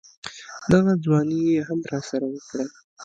دغه ځواني يې هم راسره وکړه.